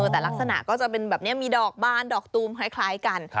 แต่ลักษณะก็จะเป็นแบบนี้มีดอกบานดอกตูมคล้ายกัน